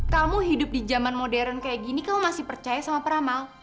kamu hidup di zaman modern kayak gini kamu masih percaya sama peramal